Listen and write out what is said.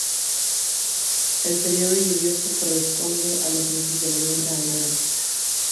El período lluvioso corresponde a los meses de noviembre a enero.